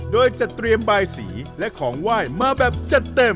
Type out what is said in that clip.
โดยจะเตรียมบายสีและของไหว้มาแบบจัดเต็ม